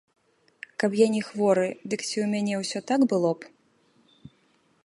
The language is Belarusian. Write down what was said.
Каб я не хворы, дык ці ў мяне ўсё так было б?